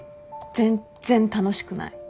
全然楽しくない。